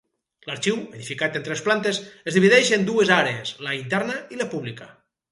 L’arxiu, edificat en tres plantes, es divideix en dues àrees: la interna i la pública.